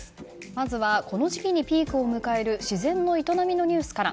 まずはこの時期にピークを迎える自然の営みのニュースから。